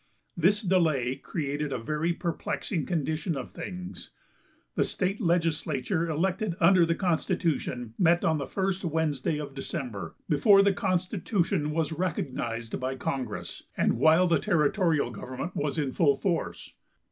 This delay created a very perplexing condition of things. The state legislature elected under the constitution met on the first Wednesday of December, before the constitution was recognized by congress, and while the territorial government was in full force.